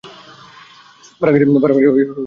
বাড়াবাড়ি হয়ে যাচ্ছে, ব্রুস।